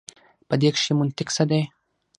په دې کښي منطق څه دی.